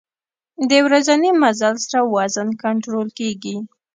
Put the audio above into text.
د ورځني مزل سره وزن کنټرول کېږي.